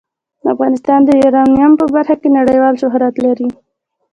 افغانستان د یورانیم په برخه کې نړیوال شهرت لري.